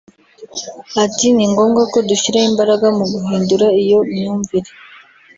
Ati “Ni ngombwa ko dushyira imbaraga mu guhindura iyo myumvire